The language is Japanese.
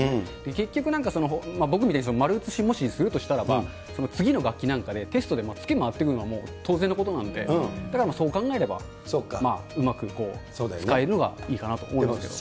結局なんか僕みたいに丸写し、もしするとしたらば、次の学期なんかでテストで付け回ってくるのは当然のことなんで、だからそう考えれば、うまく使えるのがいいかなと思いますけど。